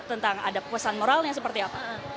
tentang ada pesan moralnya seperti apa